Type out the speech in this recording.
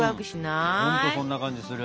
ほんとそんな感じする。